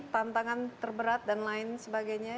tantangan terberat dan lain sebagainya